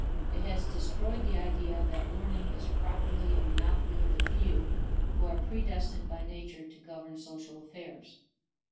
It has destroyed the idea that learning is properly a monopoly of the few who are predestined by nature to govern social affairs.